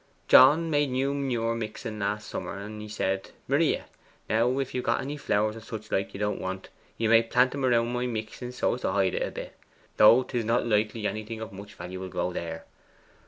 John made a new manure mixen last summer, and he said, "Maria, now if you've got any flowers or such like, that you don't want, you may plant 'em round my mixen so as to hide it a bit, though 'tis not likely anything of much value will grow there."